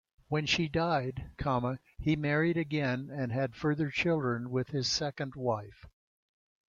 When she died, he married again and had further children with his second wife.